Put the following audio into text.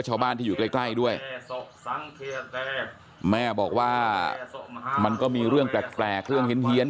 ชาวบ้านที่อยู่ใกล้ใกล้ด้วยแม่บอกว่ามันก็มีเรื่องแปลกเรื่องเฮียน